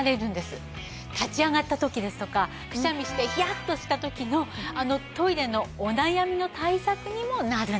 立ち上がった時ですとかくしゃみしてヒヤッとした時のあのトイレのお悩みの対策にもなるんです。